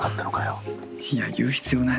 いや言う必要ないだろ。